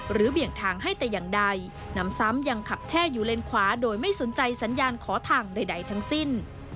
เบี่ยงทางให้แต่อย่างใดนำซ้ำยังขับแช่อยู่เลนขวาโดยไม่สนใจสัญญาณขอทางใดทั้งสิ้น